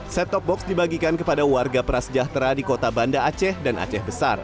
set top box dibagikan kepada warga prasejahtera di kota banda aceh dan aceh besar